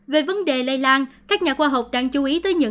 về vấn đề lây lan các nhà khoa học đang chung cung với các bệnh viện